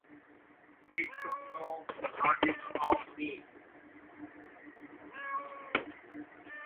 It took no notice of me.